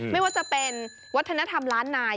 ไม่ว่าจะเป็นวัฒนธรรมล้านนาย